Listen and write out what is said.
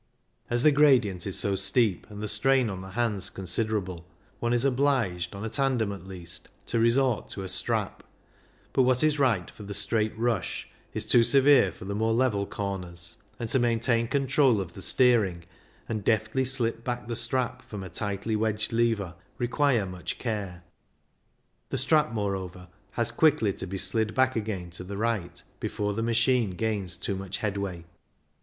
As the gradient is so steep, and the strain on the hands considerable, one is obliged, on a tandem at least, to resort to a strap; but what is right for the straight rush is too severe for the more level corners ; and to maintain control of the steering, and deftly slip back the strap from a tightly wedged lever re quire much care; the strap, moreover, has quickly to be slid back again to the right before the machine gains too much headway.